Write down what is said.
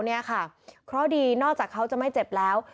เพราะดีนอกจากเขาจะไม่เจ็บแล้ว